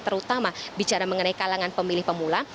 terutama bicara mengenai kalangan pemilih pemula